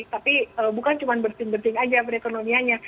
tapi bukan cuma bersin bersin aja perekonomiannya